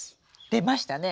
出ましたね。